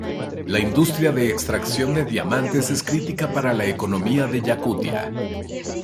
La industria de extracción de diamantes es crítica para la economía de Yakutia.